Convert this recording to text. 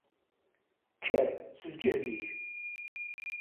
Kker, s lǧehd-ik!